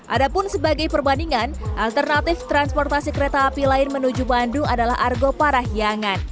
ada pun sebagai perbandingan alternatif transportasi kereta api lain menuju bandung adalah argo parahiangan